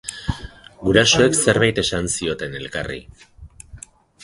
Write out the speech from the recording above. Gurasoek zerbait esan zioten elkarri.